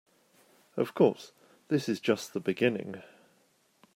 Of course, this is just the beginning.